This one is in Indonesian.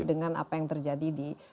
dengan apa yang terjadi di